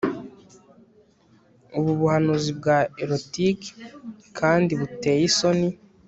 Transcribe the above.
ubu buhanzi bwa erotic kandi buteye isoni